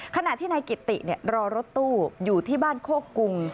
ขณะที่นายกิตติรอรถตู้อยู่ที่บ้านโคกรุง